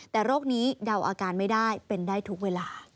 แต่โรคนี้เดาอาการไม่ได้เป็นได้ทุกเวลา